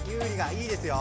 いいですよ。